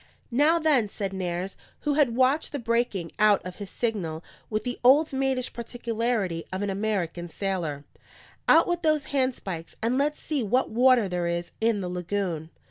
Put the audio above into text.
"Now, then," said Nares, who had watched the breaking out of his signal with the old maidish particularity of an American sailor, "out with those handspikes, and let's see what water there is in the lagoon."